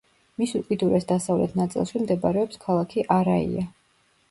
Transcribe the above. მის უკიდურეს დასავლეთ ნაწილში მდებარეობს ქალაქი არაია.